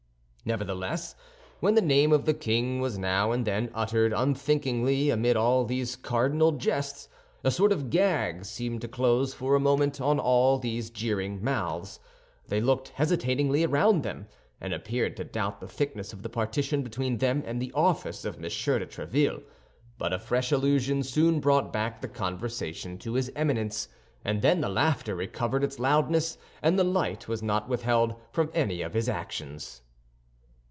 Nevertheless, when the name of the king was now and then uttered unthinkingly amid all these cardinal jests, a sort of gag seemed to close for a moment on all these jeering mouths. They looked hesitatingly around them, and appeared to doubt the thickness of the partition between them and the office of M. de Tréville; but a fresh allusion soon brought back the conversation to his Eminence, and then the laughter recovered its loudness and the light was not withheld from any of his actions.